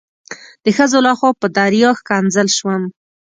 د ښځو لخوا په دریا ښکنځل شوم.